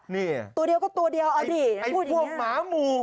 นี่ตัวเดียวก็ตัวเดียวเอาดิไอ้พวกหมาหมู่